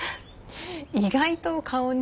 意外と顔に。